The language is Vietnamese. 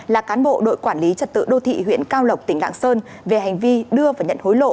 là cán bộ đội quản lý trật tự đô thị huyện cao lộc tỉnh lạng sơn về hành vi đưa và nhận hối lộ